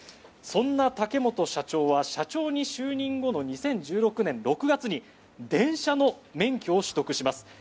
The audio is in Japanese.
そんな竹本社長は社長に就任後の２０１６年６月に電車の免許を取得します。